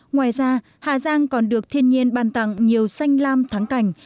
ngoài ra hà giang còn được thiên nhiên bàn tặng nhiều xanh lam thắng cảnh